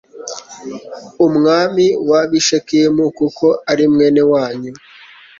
umwami w ab i Shekemu kuko ari mwene wanyu